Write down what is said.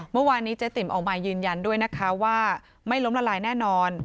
เมื่อวานนี้เจ๊ติ๋มออกมายืนยันด้วยนะคะว่าไม่ล้มละลายแน่นอน